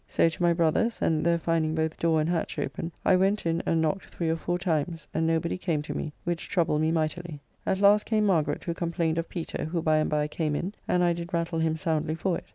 So to my brother's, and there finding both door and hatch open, I went in and knocked 3 or 4 times, and nobody came to me, which troubled me mightily; at last came Margaret, who complained of Peter, who by and by came in, and I did rattle him soundly for it.